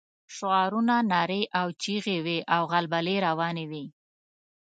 شعارونه، نارې او چيغې وې او غلبلې روانې وې.